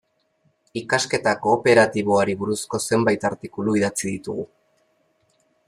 Ikasketa kooperatiboari buruzko zenbait artikulu idatzi ditugu.